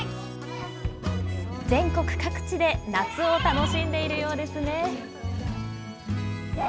全国各地で夏を楽しんでいるようですね。